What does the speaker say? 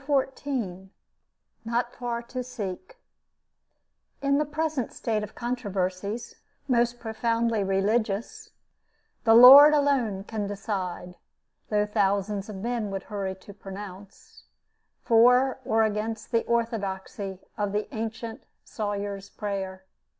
CHAPTER XIV NOT FAR TO SEEK In the present state of controversies most profoundly religious, the Lord alone can decide (though thousands of men would hurry to pronounce) for or against the orthodoxy of the ancient Sawyer's prayer.